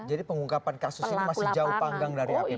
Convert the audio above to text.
jadi pengungkapan kasus ini masih jauh panggang dari ape bunda tanda